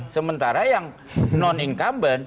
sementara yang non incumbent